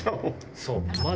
そう。